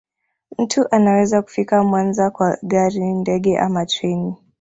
Mtu anaweza kufika Mwanza kwa gari ndege ama treni